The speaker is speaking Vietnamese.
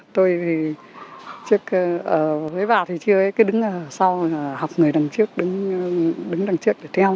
tôi thì trước với bà thì chưa ấy cứ đứng sau học người đằng trước đứng đằng trước để theo